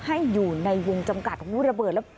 ให้อยู่ในวงจำกัดของงูระเบิดแล้ว